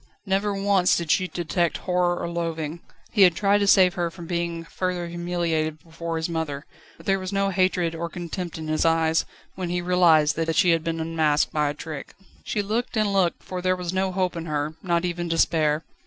Never once did she detect horror or loathing. He had tried to save her from being further humiliated before his mother, but there was no hatred or contempt in his eyes, when he realised that she had been unmasked by a trick. She looked and looked, for there was no hope in her, not even despair.